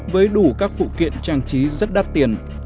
với đủ các phụ kiện trang trí rất đắt tiền